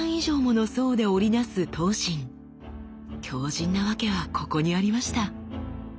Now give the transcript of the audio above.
強じんなワケはここにありました。